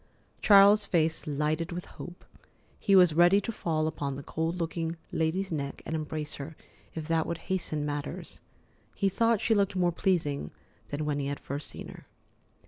Charles's face lighted with hope. He was ready to fall upon the cold looking lady's neck and embrace her, if that would hasten matters. He thought she looked more pleasing than when he had first seen her.